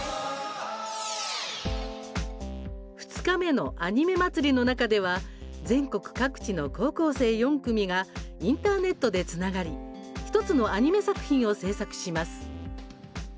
２日目のアニメ祭の中では全国各地の高校生４組がインターネットでつながり１つのアニメ作品を制作します。